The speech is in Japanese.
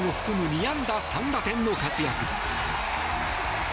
２安打３打点の活躍。